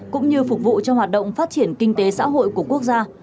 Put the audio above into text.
cũng như phục vụ cho hoạt động phát triển kinh tế xã hội của quốc gia